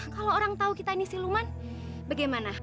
kalau orang tahu kita ini siluman bagaimana